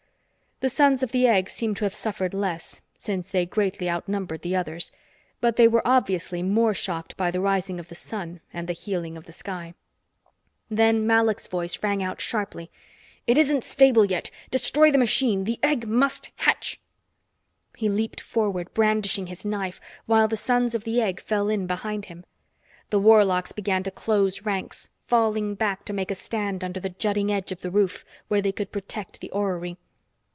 The Sons of the Egg seemed to have suffered less, since they greatly out numbered the others, but they were obviously more shocked by the rising of the sun and the healing of the sky. Then Malok's voice rang out sharply. "It isn't stable yet! Destroy the machine! The egg must hatch!" He leaped forward, brandishing his knife, while the Sons of the Egg fell in behind him. The warlocks began to close ranks, falling back to make a stand under the jutting edge of the roof, where they could protect the orrery.